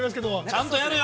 ちゃんとやれよ！